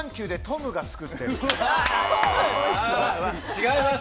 違います。